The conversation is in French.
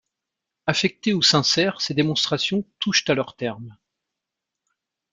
Affectées ou sincères, ces démonstrations touchent à leur terme.